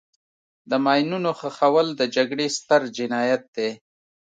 د ماینونو ښخول د جګړې ستر جنایت دی.